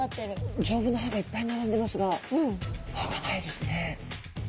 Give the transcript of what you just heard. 丈夫な歯がいっぱい並んでますが歯がないですね。